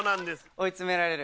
追い詰められる。